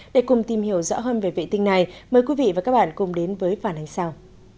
để cùng tìm hiểu rõ hơn về vệ tinh này mời quý vị và các bạn cùng đến với phản ánh sau